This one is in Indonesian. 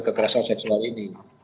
kekerasan seksual ini